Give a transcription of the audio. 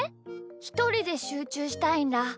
ひとりでしゅうちゅうしたいんだ。